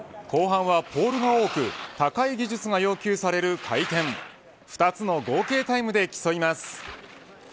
後半は、ポールが多く高い技術が要求される回転２つの合計タイムで競います。